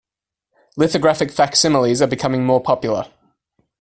Lithographic facsimiles are becoming more popular.